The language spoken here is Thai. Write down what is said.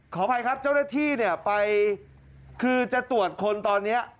ขออภัยครับเจ้าหน้าที่ไปจะตรวจคุณตอนนี้